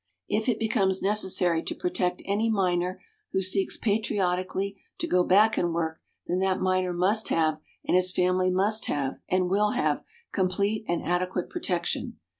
If it becomes necessary to protect any miner who seeks patriotically to go back and work, then that miner must have and his family must have and will have complete and adequate protection.